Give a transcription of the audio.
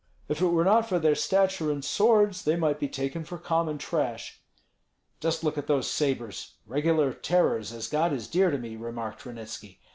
"If it were not for their stature and swords, they might be taken for common trash." "Just look at those sabres, regular tearers, as God is dear to me!" remarked Ranitski.